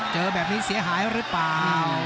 เจอแบบนี้เสียหายหรือเปล่า